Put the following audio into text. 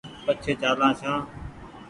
پڇي چآلان ڇآن